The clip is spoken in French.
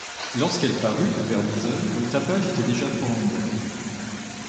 Lorsqu'elle parut, vers dix heures, le tapage était déjà formidable.